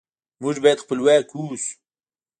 موږ باید خپلواک اوسو.